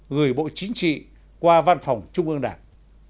gửi bộ chính trị qua văn phòng trung ương đảng